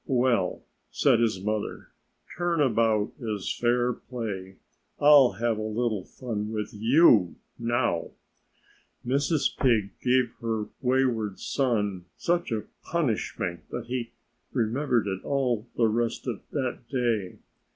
"Well," said his mother. "Turn about is fair play. I'll have a little fun with you, now." Mrs. Pig gave her wayward son such a punishing that he remembered it all the rest of that day.